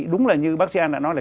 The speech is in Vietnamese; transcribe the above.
đúng là như bác sia đã nói là